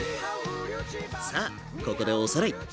さあここでおさらい。